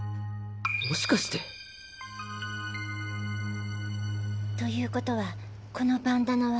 もしかして！？ということはこのバンダナは。